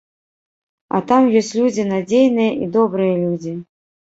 А там ёсць людзі надзейныя і добрыя людзі.